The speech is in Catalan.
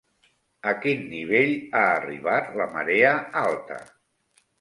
A quin nivell ha arribat la marea alta?